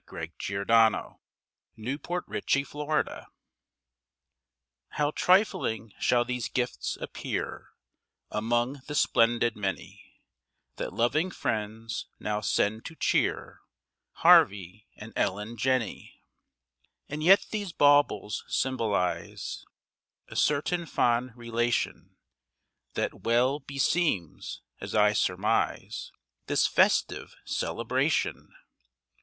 WITH TWO SPOONS FOR TWO SPOONS How trifling shall these gifts appear Among the splendid many That loving friends now send to cheer Harvey and Ellen Jenney. And yet these baubles symbolize A certain fond relation That well beseems, as I surmise, This festive celebration.